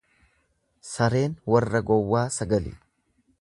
Sareen warra gowwaa sagali.